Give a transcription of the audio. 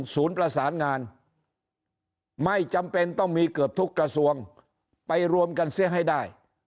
ประสานงานไม่จำเป็นต้องมีเกือบทุกกระทรวงไปรวมกันเสียให้ได้